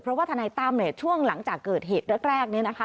เพราะว่าทนายตั้มเนี่ยช่วงหลังจากเกิดเหตุแรกเนี่ยนะคะ